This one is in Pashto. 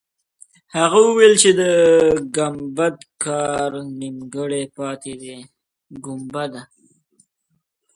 هغه وویل چې د ګمبد کار نیمګړی پاتې دی.